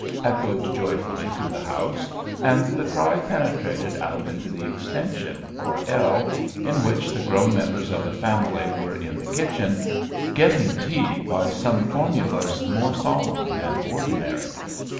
echoed joyfully through the house; and the cry penetrated out into the extension, or ell, in which the grown members of the family were, in the kitchen, "getting tea" by some formulas more solemn than ordinary.